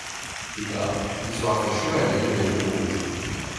Plus tard, il sera fait chevalier de l'Aigle rouge.